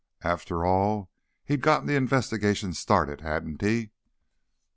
After all, he'd gotten the investigation started, hadn't he?